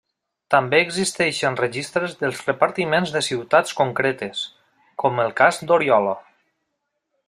També existeixen registres dels repartiments de ciutats concretes, com el cas d’Oriola.